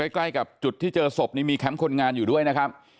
ใกล้กับจุดที่เจอศพนี่มีแคมป์คนงานอยู่ด้วยนะครับ